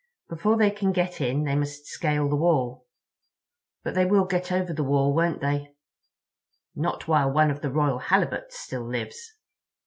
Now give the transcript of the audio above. Before they can get in they must scale the wall." "But they will get over the wall—won't they?" "Not while one of the Royal Halibuts still lives.